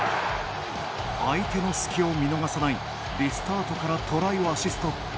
相手の隙を見逃さないリスタートからトライをアシスト。